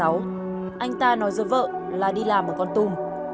anh ta nói với vợ là đi làm ở con tum